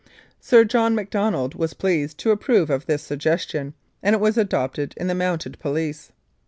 Sir John Macdonald was pleased to approve of this suggesr tion, and it was adopted in the Mounted Police.